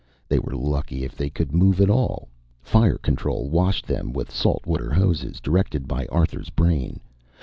They were lucky they could move at all! Fire Control washed them with salt water hoses, directed by Arthur's brain.